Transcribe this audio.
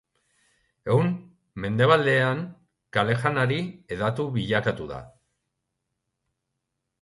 Egun, mendebaldean kale-janari hedatu bilakatu da.